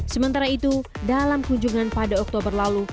sementara itu dalam kunjungan pada oktober lalu